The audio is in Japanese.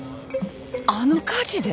あの火事で！？